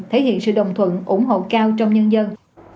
thể hiện sự đồng thuận ủng hộ cao trong nhân dân